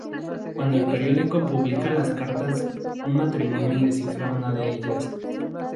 Cuando el periódico publica las cartas, un matrimonio descifra una de ellas.